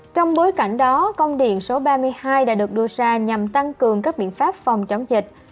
trong bối cảnh đó công điện số ba mươi hai đã được đưa ra nhằm tăng cường các biện pháp phòng chống dịch